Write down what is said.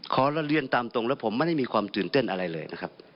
ขอเรียนตามตรงแล้วผมไม่ได้มีความตื่นเต้นอะไรเลยนะครับ